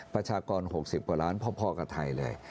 ประชากร๖๐กว่าล้านพอกับไทยเลย